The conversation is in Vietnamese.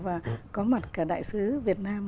và có mặt cả đại sứ việt nam